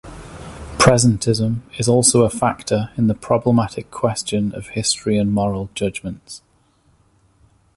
Presentism is also a factor in the problematic question of history and moral judgments.